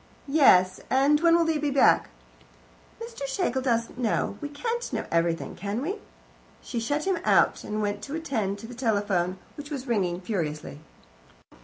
"Yes. And when will they be back?" "Mr. Schlegel doesn't know. We can't know everything, can we?" She shut him out, and went to attend to the telephone, which was ringing furiously.